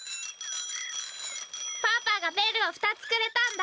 パパがベルを２つくれたんだ。